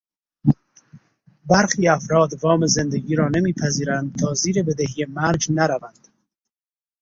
برخی افراد وام زندگی را نمیپذیرند تا زیر بدهی مرگ نروند